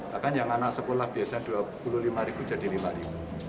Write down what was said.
bahkan yang anak sekolah biasanya rp dua puluh lima ribu jadi lima ribu